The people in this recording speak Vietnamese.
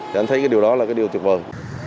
chẳng thấy cái điều đó là cái điều tuyệt vời